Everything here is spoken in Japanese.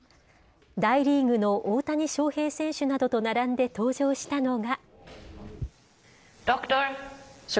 大リーグの大谷翔平選手などと並んで登場したのが。